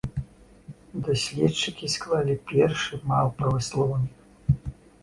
Даследчыкі склалі першы малпавы слоўнік.